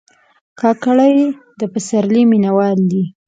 کاکړي د پسرلي مینهوال دي.